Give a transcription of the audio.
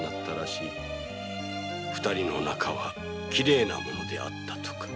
二人の仲はきれいなものであったとか。